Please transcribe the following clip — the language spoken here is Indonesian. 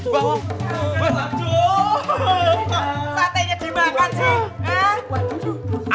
satenya dimakan sih